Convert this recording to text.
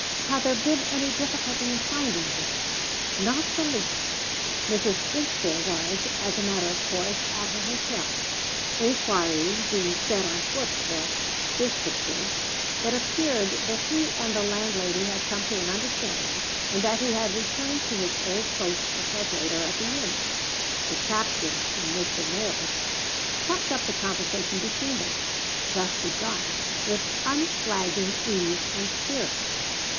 Had there been any difficulty in finding them? Not the least. Mrs. Inchbare was, as a matter of course, at her hotel. Inquiries being set on foot for Bishopriggs, it appeared that he and the landlady had come to an understanding, and that he had returned to his old post of headwaiter at the inn. The captain and Mr. Moy kept up the conversation between them, thus begun, with unflagging ease and spirit.